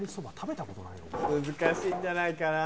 難しいんじゃないかな。